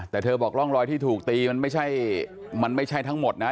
แต่เธอบอกร่องรอยที่ถูกตีมันไม่ใช่ทั้งหมดนะ